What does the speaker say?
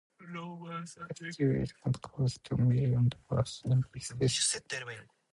The city will spend close to a million dollars in this restoration attempt.